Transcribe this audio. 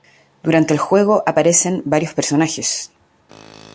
Durante el juego aparecen varios personajes.